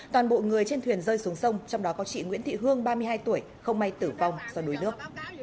toàn bộ người trên thuyền rơi xuống sông trong đó có chị nguyễn thị hương ba mươi hai tuổi không may tử vong do đuối nước